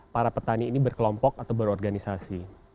para petani ini berkelompok atau berorganisasi